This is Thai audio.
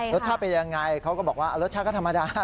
รสชาติเป็นยังไงเขาก็บอกว่ารสชาติก็ธรรมดา